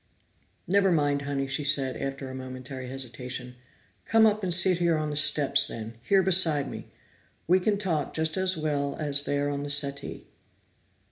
"Never mind, Honey," she said, after a momentary hesitation. "Come up and sit here on the steps, then here beside me. We can talk just as well as there on the settee."